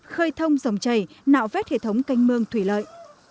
khơi thông dòng chảy nạo vét hệ thống canh mương thủy lợi